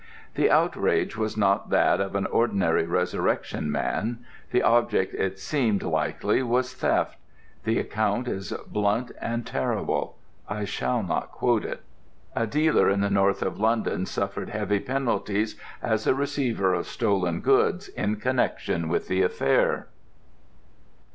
The outrage was not that of an ordinary resurrection man. The object, it seemed likely, was theft. The account is blunt and terrible. I shall not quote it. A dealer in the North of London suffered heavy penalties as a receiver of stolen goods in connexion with the affair.